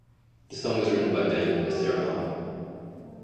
The song was written by band member Sarah Harmer.